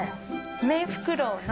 メンフクロウの。